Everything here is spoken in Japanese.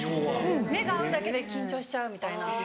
目が合うだけで緊張しちゃうみたいな。